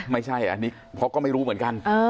ไม่ใช่อันนี้เพราะก็ไม่รู้เหมือนกัน